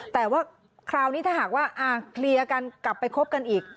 แต่ว่าคราวนี้ถ้าหากว่าเคลียร์กันกลับไปคบกันอีก